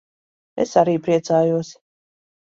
Es arī priecājos.